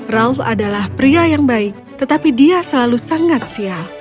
ralf adalah pria yang baik tetapi dia selalu sangat sial